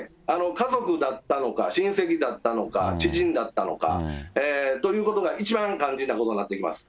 家族だったのか、親戚だったのか、知人だったのか、ということが一番肝心なことになってきます。